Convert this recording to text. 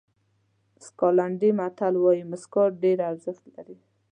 سکاټلېنډي متل وایي موسکا ډېره ارزښت لري.